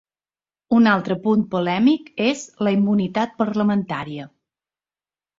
Un altre punt polèmic és la immunitat parlamentària.